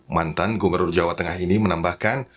mantan gubernur jawa tengah ini menambahkan